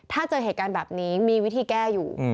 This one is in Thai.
ถ้าเจอเหตุการณ์แบบนี้มีวิธีแก้อยู่